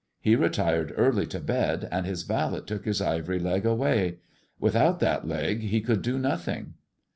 He retired early to bed, and his valet took his ivory leg away. With out that leg he could do nothing.''